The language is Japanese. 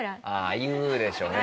ああ言うでしょうね。